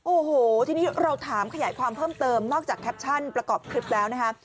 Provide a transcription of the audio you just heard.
โอ้โหทีนี้เราถามขยายความเพิ่มเติมนอกจากแคปชั่นประกอบคลิปแล้วนะคะ